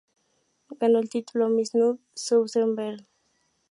Ganó el título Miss Nude Southern Belle.